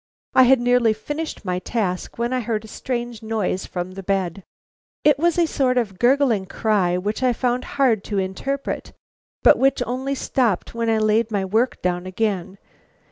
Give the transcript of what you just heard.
I had nearly finished my task when I heard a strange noise from the bed. It was a sort of gurgling cry which I found hard to interpret, but which only stopped when I laid my work down again.